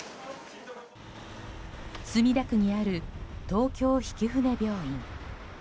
墨田区にある東京曳舟病院。